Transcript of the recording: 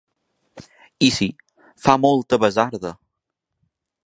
I sí, fa molta basarda.